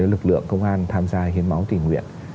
lực lượng công an tham gia hiến máu tỉnh nguyện